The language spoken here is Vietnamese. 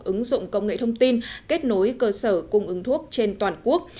ứng dụng công nghệ thông tin kết nối cơ sở cung ứng thuốc trên toàn quốc